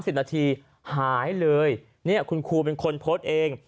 สิบนาทีหายเลยเนี่ยคุณครูเป็นคนโพสต์เอง